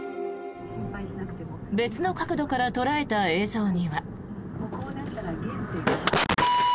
別の角度から捉えた映像には。